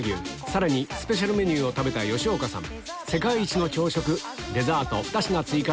さらにスペシャルメニューを食べた吉岡さん